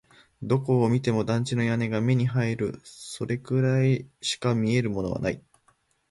どこを見ても団地の屋根が目に入る。それくらいしか見えるものはない。